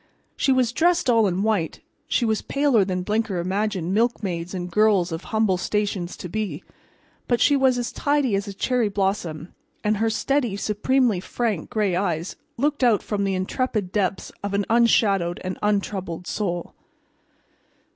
She was dressed all in white, she was paler than Blinker imagined milkmaids and girls of humble stations to be, but she was as tidy as a cherry blossom, and her steady, supremely frank gray eyes looked out from the intrepid depths of an unshadowed and untroubled soul.